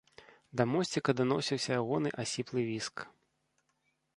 Да мосціка даносіўся ягоны асіплы віск.